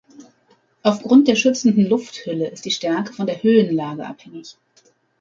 Aufgrund der schützenden Lufthülle ist die Stärke von der Höhenlage abhängig.